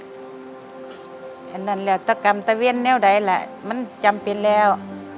อันนั้นแหละตะกรรมตะเวียนแนวใดแหละมันจำเป็นแล้ว